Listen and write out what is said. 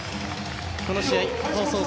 この試合、放送席